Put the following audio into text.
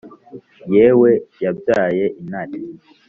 yewe yabyaye intare